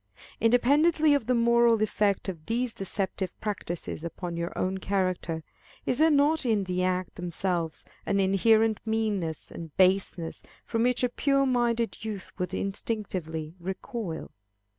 Independently of the moral effect of these deceptive practices upon your own character, is there not in the acts themselves an inherent meanness and baseness, from which a pure minded youth would instinctively recoil?